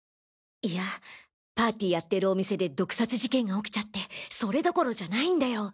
いやパーティーやってるお店で毒殺事件が起きちゃってそれどころじゃないんだよ。